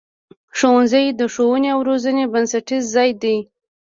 ښوونځی د ښوونې او روزنې بنسټیز ځای دی.